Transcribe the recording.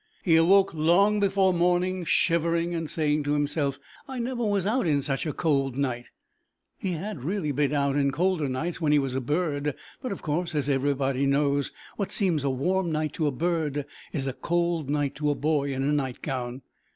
He awoke long before morning, shivering, and saying to himself, "I never was out in such a cold night;" he had really been out in colder nights when he was a bird, but, of course, as everybody knows, what seems a warm night to a bird is a cold night to a boy in a nightgown.